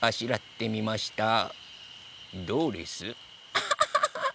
アハハハ！